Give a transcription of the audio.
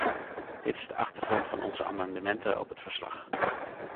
Dit is de achtergrond van onze amendementen op het verslag.